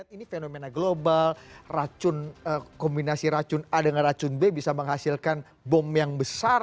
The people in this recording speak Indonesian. ini fenomena global kombinasi racun a dengan racun b bisa menghasilkan bom yang besar